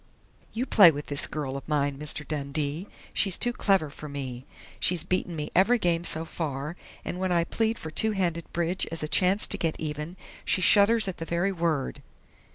"You play with this girl of mine, Mr. Dundee. She's too clever for me! She's beaten me every game so far, and when I plead for two handed bridge as a chance to get even, she shudders at the very word."